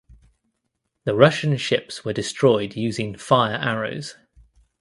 The Russian ships were destroyed using fire arrows.